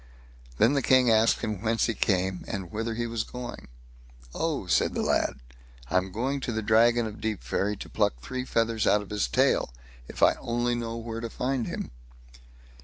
Then the King asked him whence he came, and whither he was going? "Oh!" said the lad, "I'm going to the Dragon of Deepferry to pluck three feathers out of his tail, if I only knew where to find him."